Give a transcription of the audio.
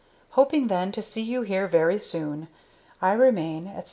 Hoping, then, to see you here very soon, "I remain," etc.